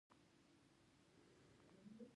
ازادي راډیو د بانکي نظام ستر اهميت تشریح کړی.